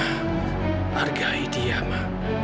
hargai dia ma